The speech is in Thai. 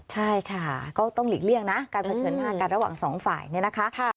ใช่ค่ะก็ต้องหลีกเลี่ยงนะการเผชิญหน้ากันระหว่างสองฝ่ายเนี่ยนะคะ